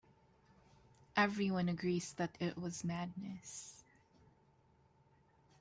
Everyone agrees that it was madness.